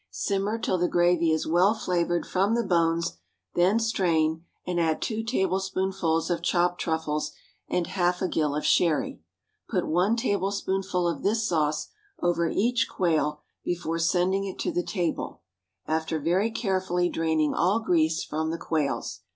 Simmer till the gravy is well flavored from the bones, then strain, and add two tablespoonfuls of chopped truffles and half a gill of sherry. Put one tablespoonful of this sauce over each quail before sending it to the table, after very carefully draining all grease from the quails.